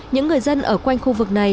những người dân ở quanh khu vực này